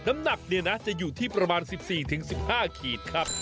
น้ำหนักจะอยู่ที่ประมาณ๑๔๑๕ขีดครับ